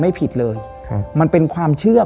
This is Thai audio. ไม่ผิดเลยครับมันเป็นความเชื่อ